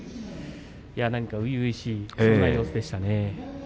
初々しい、そんな様子でしたね。